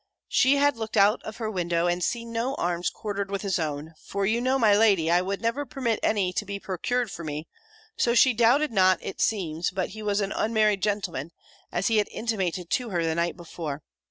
She had looked out of her window, and seen no arms quartered with his own; for you know, my lady, I would never permit any to be procured for me: so, she doubted not, it seems, but he was an unmarried gentleman, as he had intimated to her the night before.